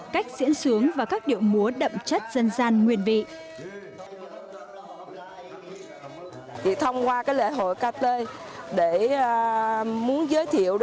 cách diễn xướng và các điệu múa đậm chất dân gian nguyên vị